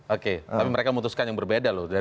oke tapi mereka memutuskan yang berbeda loh